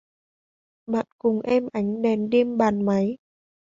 Bạn cùng em ánh đèn đêm bàn máy